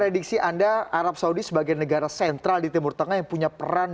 jadi misi anda arab saudi sebagai negara sentral di timur tengah yang punya peran